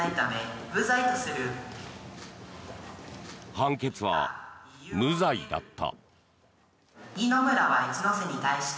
判決は無罪だった。